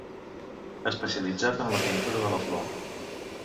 Especialitzat en la pintura de la flor.